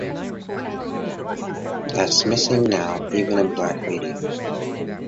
That's missing now, even in black radio.